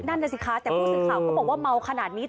นั่นน่ะสิคะแต่ผู้สื่อข่าวเขาบอกว่าเมาขนาดนี้